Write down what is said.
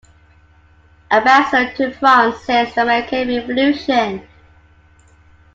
Ambassador to France since the American Revolution.